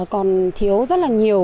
còn thiếu rất nhiều